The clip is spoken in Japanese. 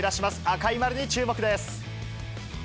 赤い丸に注目です。